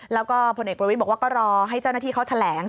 แล้วก็ผลเอกประวิทย์บอกว่าก็รอให้เจ้าหน้าที่เขาแถลง